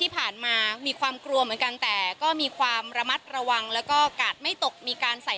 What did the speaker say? มีความกลัวเหมือนกันแต่ก็มีความระมัดระวังแล้วก็กาดไม่ตกมีการใส่